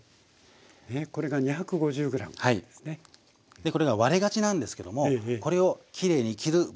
でこれが割れがちなんですけどもこれをきれいに切る技を紹介いたします。